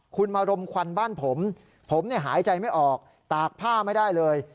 คุณมารมควันบ้านผมผมหายใจไม่ออกตากผ้าไม่ได้เลย